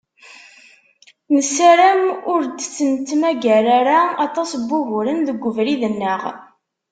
Nessaram ur d-nettmagger ara aṭas n wuguren deg ubrid-nneɣ.